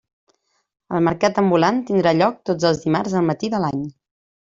El mercat ambulant tindrà lloc tots els dimarts al matí de l'any.